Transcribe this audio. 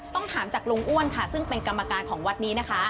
ต้องถามจากลุงอ้วนค่ะซึ่งเป็นกรรมการของวัดนี้นะคะ